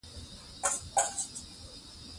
ازادي راډیو د ورزش په اړه د پوهانو څېړنې تشریح کړې.